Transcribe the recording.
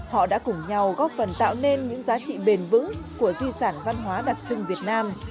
họ đã cùng nhau góp phần tạo nên những giá trị bền vững của di sản văn hóa đặc trưng việt nam